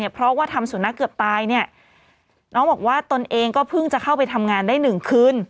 เพราะว่าทำสุนัขเกือบตายเนี่ยน้องบอกว่าตนเองก็เพิ่งจะเข้าไปทำงานได้๑คืน